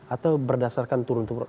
atau berdasarkan turun turun